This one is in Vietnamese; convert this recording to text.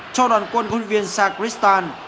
cho đoàn quân quân viên san cristian